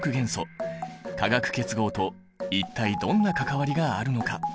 化学結合と一体どんな関わりがあるのか！？